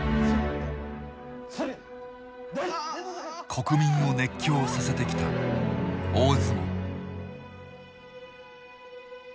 国民を熱狂させてきた大相撲。